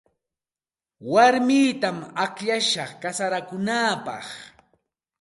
Warmitam akllashaq kasarakunaapaq.